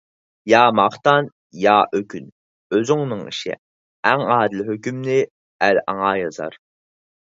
يا ماختان، يا ئۆكۈن ئۆزۈڭنىڭ ئىشى، ئەڭ ئادىل ھۆكۈمنى ئەل ئاڭا يازار.